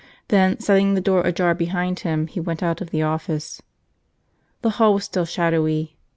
Then, setting the door ajar behind him, he went out of the office. The hall was still shadowy.